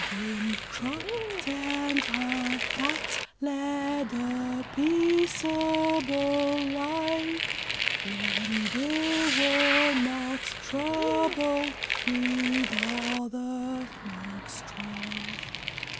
] Dame Trot and her cat Led a peaceable life When they were not troubled With other folks' strife.